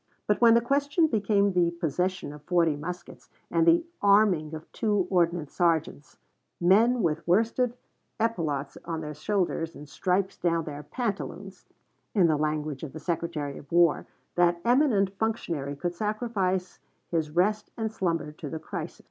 But when the question became the possession of forty muskets, and the arming of two ordnance sergeants, "men with worsted epaulettes on their shoulders and stripes down their pantaloons" in the language of the Secretary of War, that eminent functionary could sacrifice his rest and slumber to the crisis.